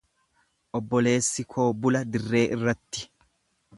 Obboleessi koo bula dirree irratti.